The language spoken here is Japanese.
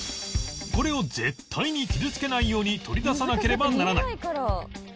これを絶対に傷つけないように取り出さなければならない